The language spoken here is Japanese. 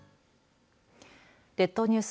列島ニュース